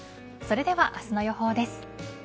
それでは明日の予報です。